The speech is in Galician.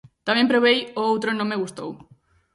Tamén probei o outro e non me gustou.